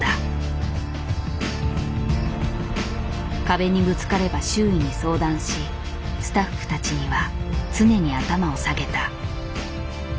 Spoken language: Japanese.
壁にぶつかれば周囲に相談しスタッフたちには常に頭を下げた。